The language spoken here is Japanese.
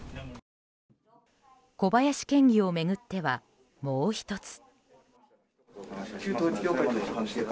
小林県議を巡ってはもう１つ。